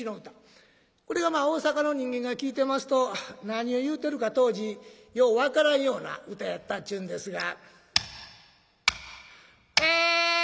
これが大坂の人間が聴いてますと何を言うてるか当時よう分からんような唄やったっちゅうんですが。